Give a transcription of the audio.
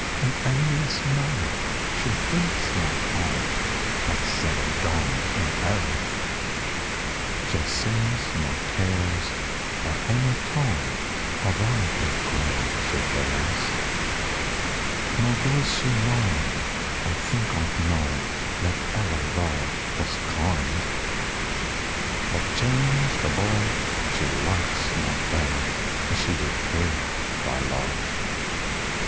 In endless mirth, She thinks not on What's said or done In earth: She sees no tears, Or any tone Of thy deep groan She hears; Nor does she mind, Or think on't now, That ever thou Wast kind: But changed above, She likes not there, As she did here, Thy love.